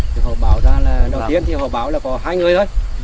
thì họ bảo ra là đầu tiên thì họ báo là có hai người thôi